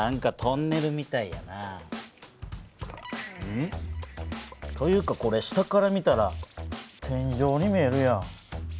ん？というかこれ下から見たら天じょうに見えるやん。